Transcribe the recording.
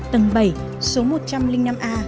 tầng bảy số một trăm linh năm a